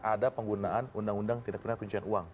ada penggunaan undang undang tindak penyelenggaraan uang